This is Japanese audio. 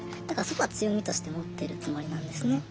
だからそこは強みとして持ってるつもりなんですね。